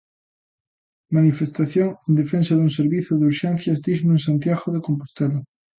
Manifestación en defensa dun servizo de urxencias digno en Santiago de Compostela.